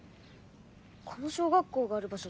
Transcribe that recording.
この小学校がある場所